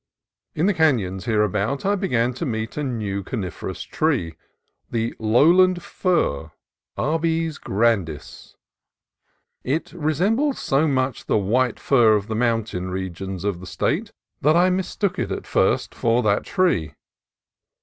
In the canons hereabout I began to meet a new coniferous tree, the lowland fir (Abies grandis). It resembles so much the white fir of the mountain re gions of the State that I mistook it at first for that tree.